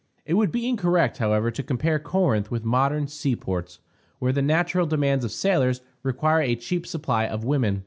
It would be incorrect, however, to compare Corinth with modern sea ports, where the natural demands of sailors require a cheap supply of women.